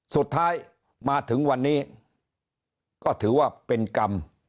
สุดท้ายมาถึงวันนี้ก็ถือว่าเป็นกรรม